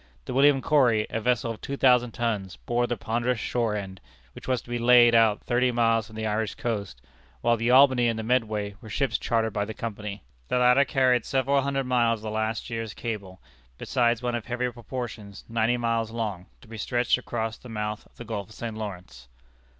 The William Corry, a vessel of two thousand tons, bore the ponderous shore end, which was to be laid out thirty miles from the Irish coast, while the Albany and the Medway were ships chartered by the Company. The latter carried several hundred miles of the last year's cable, besides one of heavier proportions, ninety miles long, to be stretched across the mouth of the Gulf of St. Lawrence. [Illustration: SHORE END EXACT SIZE.